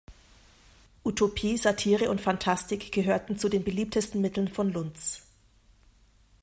Utopie, Satire und Phantastik gehörten zu den beliebtesten Mitteln von Lunz.